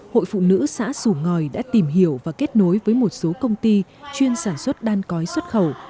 hội phụ nữ xã sủ ngòi đã tìm hiểu và kết nối với một số công ty chuyên sản xuất đan cói xuất khẩu